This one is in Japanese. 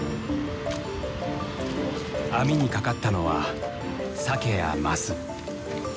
網に掛かったのはサケやマス。